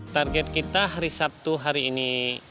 target kita hari sabtu hari ini satu lima ratus